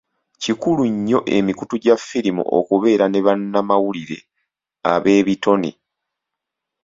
Kikulu nnyo emikutu gya ffirimu okubeera ne bannamawulire ab'ebitone.